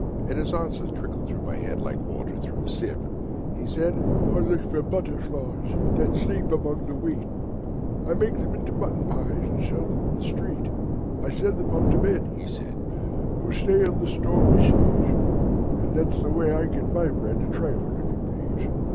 And his answer trickled through my head, Like water through a sieve. He said, 'I look for butterflies That sleep among the wheat: I make them into mutton pies, And sell them in the street. I sell them unto men,' he said, 'Who sail on stormy seas; And that's the way I get my bread A trifle, if you please.'